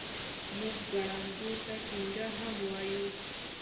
موږ ګړنګو ته ټنګه هم وایو.